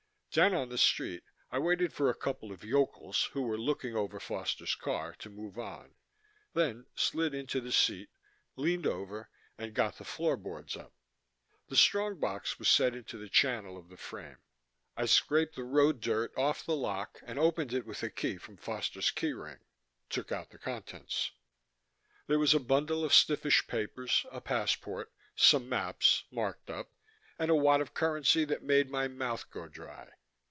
Down on the street I waited for a couple of yokels who were looking over Foster's car to move on, then slid into the seat, leaned over, and got the floor boards up. The strong box was set into the channel of the frame. I scraped the road dirt off the lock and opened it with a key from Foster's key ring, took out the contents. There was a bundle of stiffish papers, a passport, some maps marked up and a wad of currency that made my mouth go dry.